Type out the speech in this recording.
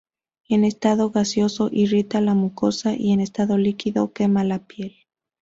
En estado gaseoso irrita las mucosas y en estado líquido quema la piel.